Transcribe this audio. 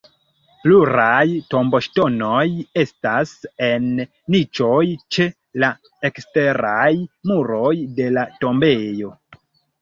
Pluraj tomboŝtonoj estas en niĉoj ĉe la eksteraj muroj de la tombejo.